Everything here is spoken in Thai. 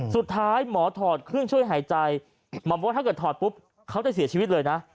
สุดท้ายหมอถอดเครื่องช่วยหายใจหมอบอกว่าถ้าเกิดถอดปุ๊บเขาจะเสียชีวิตเลยนะ